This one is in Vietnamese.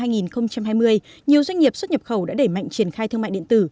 nhiều doanh nghiệp xuất nhập khẩu đã đẩy mạnh triển khai thương mại điện tử